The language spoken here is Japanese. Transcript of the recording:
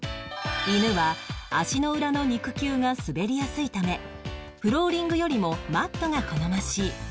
犬は足の裏の肉球が滑りやすいためフローリングよりもマットが好ましい